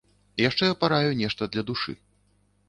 Яшчэ параю нешта для душы.